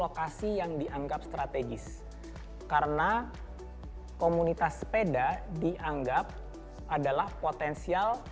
lokasi yang dianggap strategis karena komunitas sepeda dianggap adalah potensial